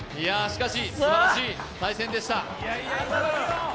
しかし、すばらしい対戦でした。